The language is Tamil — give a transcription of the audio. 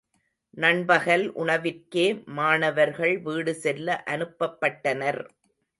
நண்பகல் உணவிற்கே மாணவர்கள் வீடு செல்ல அனுப்பப்பட்டனர்.